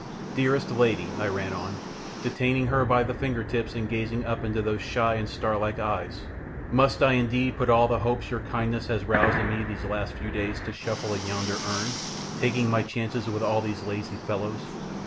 Dearest lady," I ran on, detaining her by the fingertips and gazing up into those shy and star like eyes, "must I indeed put all the hopes your kindness has roused in me these last few days to a shuffle in yonder urn, taking my chance with all these lazy fellows?